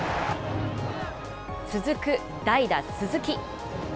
続く代打、鈴木。